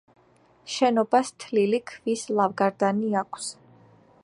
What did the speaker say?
შენობას თლილი ქვის ლავგარდანი აქვს.